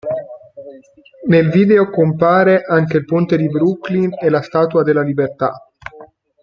Nel video compare anche il ponte di Brooklyn e la Statua della Libertà.